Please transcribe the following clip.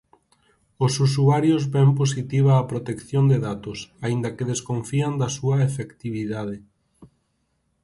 Os usuarios ven positiva a protección de datos, aínda que desconfían da súa efectividade.